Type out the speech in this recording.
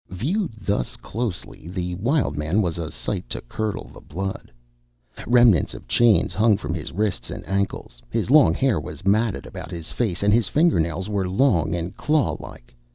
Viewed thus closely, the Wild Man was a sight to curdle the blood. Remnants of chains hung from his wrists and ankles; his long hair was matted about his face; and his finger nails were long and claw like.